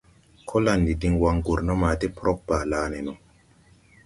Kolandi din wan gurna ma ti prog Balané no.